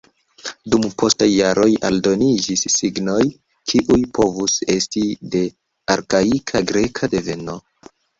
Dum postaj jaroj aldoniĝis signoj, kiuj povus esti de arkaika greka deveno.